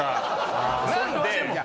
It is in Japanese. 何で。